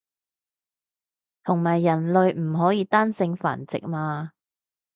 同埋人類唔可以單性繁殖嘛